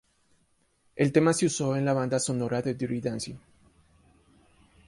El tema se usó en la banda sonora de Dirty dancing.